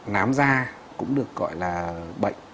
nám da cũng được gọi là bệnh